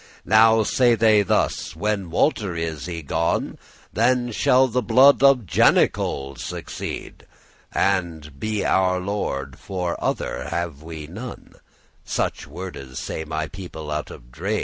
"Now say they thus, 'When Walter is y gone, Then shall the blood of Janicol' succeed, And be our lord, for other have we none:' Such wordes say my people, out of drede.